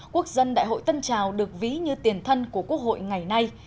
quốc dân đại hội tân trào được ví như tiền thân của quốc hội ngày nay